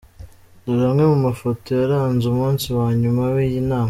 Dore amwe mu mafoto yaranze umunsi wa nyuma w’iyi nama:.